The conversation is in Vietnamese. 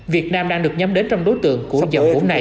việt nam đang được nhắm đến trong đối tượng của dòng vốn này